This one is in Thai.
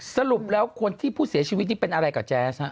สรุปแล้วคนที่ผู้เสียชีวิตนี่เป็นอะไรกับแจ๊สฮะ